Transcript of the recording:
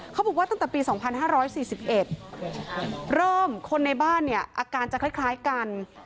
เขาบอกว่าตั้งแต่ปี๒๕๔๑เริ่มคนในบ้านเนี่ยอาการจะคล้ายกัน